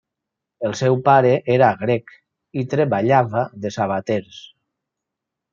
El seu pare era grec i treballava de sabaters.